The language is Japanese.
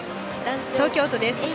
東京都です。